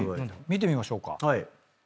見てみましょうか。